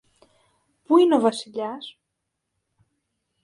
Πού είναι ο Βασιλιάς;